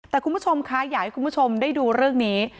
แต่คุณผู้ชมคะอยากให้คุณผู้ชมได้ดูเรื่องนี้